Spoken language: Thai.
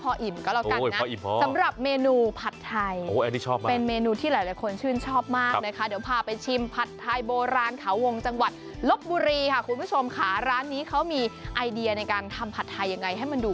มีอีกแต่ว่าไม่ต้องพูนจานอะไรมากมายทานแค่พออิ่มก็แล้วกันนะ